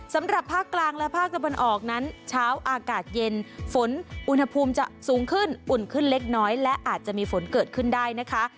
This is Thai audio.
สำหรับภาคกลางและภาคตะวันออกนั้นเช้าอากาศเย็นฝนอุณหภูมิจะสูงขึ้นอุ่นขึ้นเล็กน้อยและอาจจะมีฝนเกิดขึ้นได้นะคะ